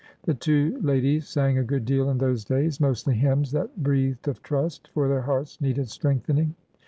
The two ladies sang a good deal in those days. 370 ORDER NO. 11 —mostly hymns that breathed of trust,— for their hearts needed strengthening.